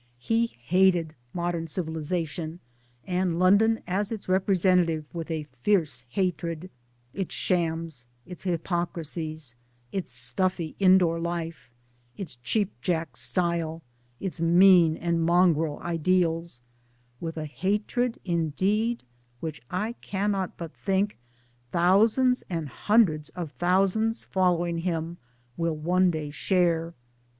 He hated modern civilization, and London as its representative, with a fierce hatred its shams, its hypocrisies, its stuffy indoor life, its cheapjack style, its mean and mongrel ideals ; with a hatred indeed which, I cannot but think, thousands and hundreds of thousands following him will one day share.